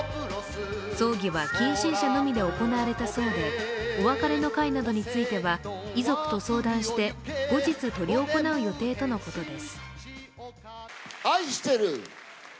葬儀は近親者のみで行われたそうで、お別れ会などについては、遺族と相談して、後日執り行う予定とのことです。